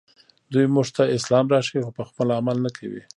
دوی موږ ته اسلام راښيي خو پخپله عمل نه کوي